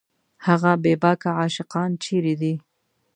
هغه بېباکه عاشقان چېرې دي